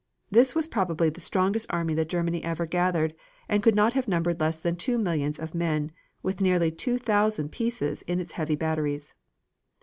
This was probably the strongest army that Germany ever gathered, and could not have numbered less than two millions of men, with nearly two thousand pieces in its heavy batteries.